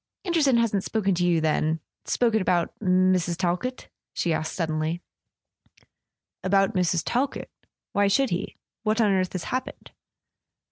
"Anderson hasn't spoken to you, then—spoken about Mrs. Talkett?" she asked suddenly. "About Mrs. Talkett? Why should he? Wliat on earth has happened